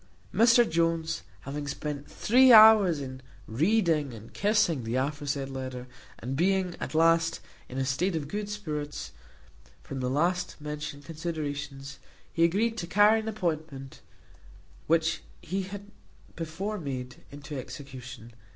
Mr Jones having spent three hours in reading and kissing the aforesaid letter, and being, at last, in a state of good spirits, from the last mentioned considerations, he agreed to carry an appointment, which he had before made, into execution.